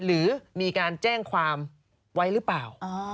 หรือมีการแจ้งความไว้หรือเปล่า